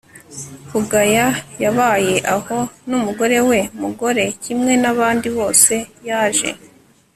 bugabo yabaye aho n'umugore we... mugore kimwe n'abandi bose yaje